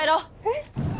えっ？